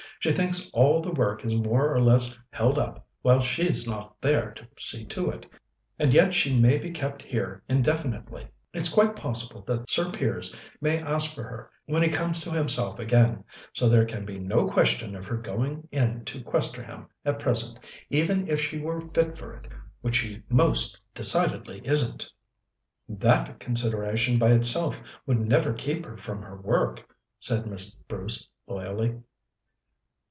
She thinks all the work is more or less held up while she's not there to see to it. And yet she may be kept here indefinitely. It's quite possible that Sir Piers may ask for her when he comes to himself again, so there can be no question of her going in to Questerham at present, even if she were fit for it, which she most decidedly isn't." "That consideration by itself would never keep her from her work," said Miss Bruce loyally.